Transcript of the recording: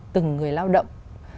từng người lao động